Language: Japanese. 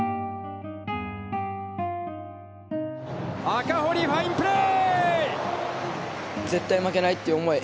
赤堀、ファインプレー！